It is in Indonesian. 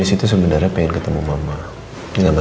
denies itu sebenarnya ngajak ketemuannya mama di taman flamingo